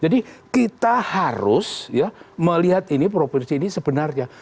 jadi kita harus ya melihat ini profesi ini sebenarnya